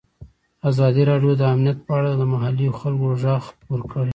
ازادي راډیو د امنیت په اړه د محلي خلکو غږ خپور کړی.